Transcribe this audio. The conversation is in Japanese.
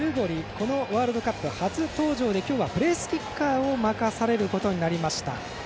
このワールドカップ初登場で今日はプレースキッカーを任されることになりました。